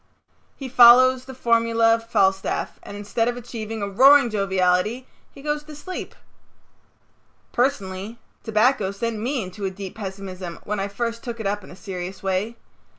He follows the formulæ of Falstaff and instead of achieving a roaring joviality he goes to sleep. Personally tobacco sent me into a deep pessimism when I first took it up in a serious way.